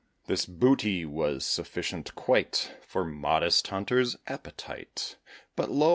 This booty was sufficient quite For modest Hunter's appetite; But, lo!